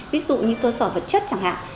ví dụ như cơ sở vật chất chẳng hạn